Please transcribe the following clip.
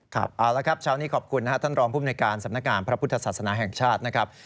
ครับเอาละครับเช้านี้ขอบคุณนะครับท่านรองภูมิในการสำนักงานพระพุทธศาสนาแห่งชาตินะครับ